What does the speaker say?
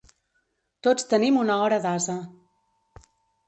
Tots tenim una hora d'ase.